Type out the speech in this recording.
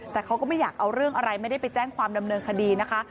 แต่เขาก็ไม่อยากเอาเรื่องอะไรไม่ได้ไปแจ้งความดำเนินคดีนะคะ